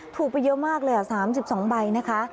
ถูกไปเยอะมากเลย๓๒ใบนะคะ